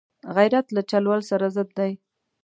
غیرت له چل ول سره ضد دی